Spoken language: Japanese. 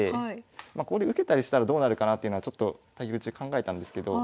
まあここで受けたりしたらどうなるかなっていうのはちょっと対局中考えたんですけど。